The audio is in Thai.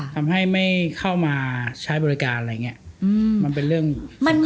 ทำให้ไม่เข้ามาใช้บริการอะไรอย่างนี้มันเป็นเรื่อง